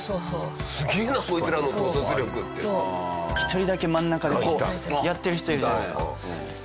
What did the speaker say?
１人だけ真ん中でこうやってる人いるじゃないですか。